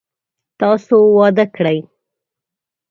تاسو واده کړئ ؟